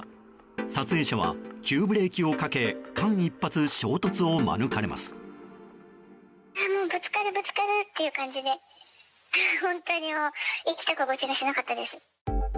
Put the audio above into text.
撮影者は急ブレーキをかけ間一髪、衝突を免れます。